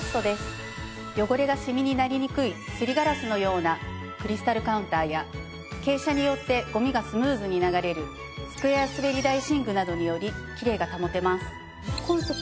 汚れがシミになりにくいすりガラスのようなクリスタルカウンターや傾斜によってごみがスムーズに流れるスクエアすべり台シンクなどによりきれいが保てます。